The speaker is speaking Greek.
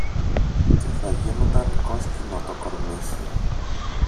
και θα γίνουνταν κόσκινο το κορμί σου